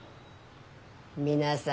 皆さん